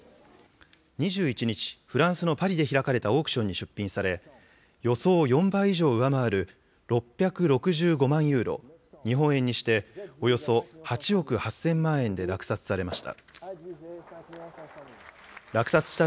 ２１日、フランスのパリで開かれたオークションに出品され、予想を４倍以上上回る、６６５万ユーロ、日本円にしておよそ８億８０００万円で落札されました。